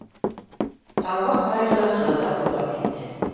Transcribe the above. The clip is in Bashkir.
Таңға ҡарай ғына хырылдап йоҡлап китте.